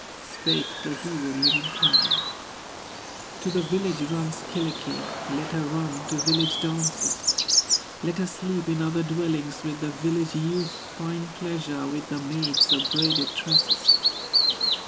Spake the hero, Lemminkainen: "To the village runs Kyllikki; Let her run to village dances, Let her sleep in other dwellings, With the village youth find pleasure, With the maids of braided tresses."